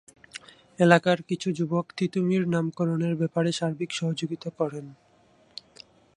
এলাকার কিছু যুবক "তিতুমীর"নামকরণের ব্যাপারে সার্বিক সহযোগিতা করেন।